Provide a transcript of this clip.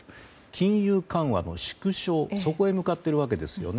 金融緩和の縮小に向かっているわけですね。